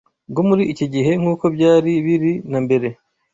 bwo muri iki gihe nk’uko byari biri na mbere